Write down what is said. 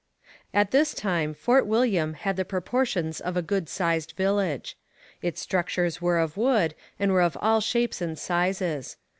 ] At this time Fort William had the proportions of a good sized village. Its structures were of wood and were of all shapes and sizes.